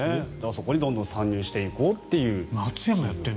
そこにどんどん参入していこうという。